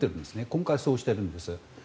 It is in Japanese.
今回、そうしているんです。